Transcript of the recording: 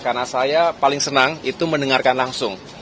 karena saya paling senang itu mendengarkan langsung